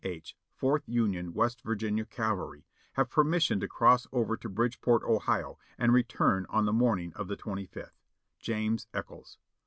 H, Fourth Union West Virginia Cavalry, have permission to cross over to Bridgeport, Ohio, and return on the morning of the 25th. "James Echols.